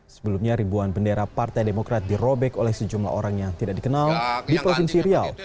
sebelumnya ribuan bendera partai demokrat dirobek oleh sejumlah orang yang tidak dikenal di provinsi riau